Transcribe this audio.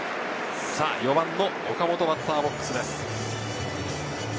４番・岡本がバッターボックスです。